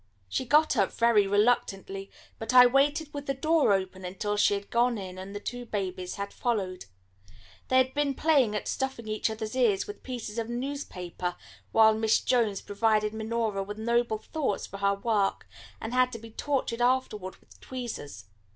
She got up very reluctantly, but I waited with the door open until she had gone in and the two babies had followed. They had been playing at stuffing each other's ears with pieces of newspaper while Miss Jones provided Minora with noble thoughts for her work, and had to be tortured afterward with tweezers.